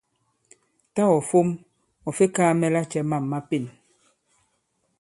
Tâ ɔ̀ fom ɔ̀ fe kaā mɛ lacɛ mâm ma pên.